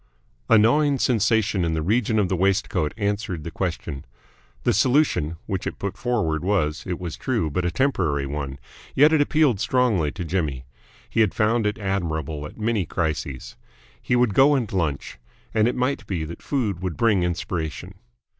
A gnawing sensation in the region of the waistcoat answered the question. The solution which it put forward was, it was true, but a temporary one, yet it appealed strongly to Jimmy. He had found it admirable at many crises. He would go and lunch, and it might be that food would bring inspiration.